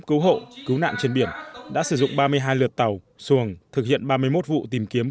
cứu hộ cứu nạn trên biển đã sử dụng ba mươi hai lượt tàu xuồng thực hiện ba mươi một vụ tìm kiếm